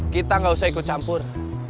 kita nggak usah ikut campur